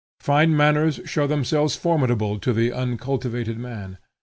Fine manners show themselves formidable to the uncultivated man.